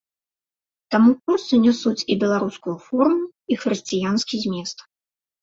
Таму курсы нясуць і беларускую форму і хрысціянскі змест.